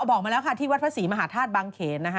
อ๋อออบอกมาแล้วที่วัฤษฎี่มหาธาตุบางเขณฑ์นะฮะ